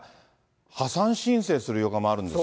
破産申請する旅館もあるんですって。